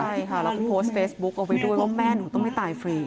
ใช่ค่ะแล้วก็โพสต์เฟซบุ๊คเอาไว้ด้วยว่าแม่หนูต้องไม่ตายฟรี